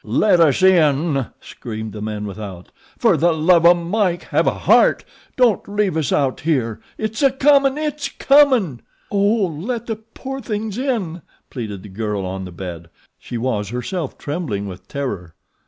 "Let us in," screamed the men without. "Fer the luv o' Mike have a heart! Don't leave us out here! IT's comin'! IT's comin'!" "Oh, let the poor things in," pleaded the girl on the bed. She was, herself, trembling with terror.